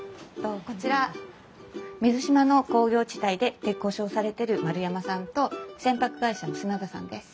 こちら水島の工業地帯で鉄工所をされてる丸山さんと船舶会社の砂田さんです。